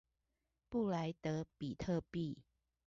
布萊德比特幣